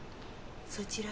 そちら